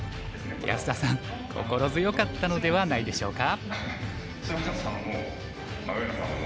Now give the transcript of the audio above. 安田さん心強かったのではないでしょうか？